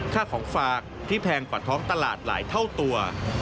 ค่าของฝากที่แพงกว่าท้องตลาดหลายเท่าตัว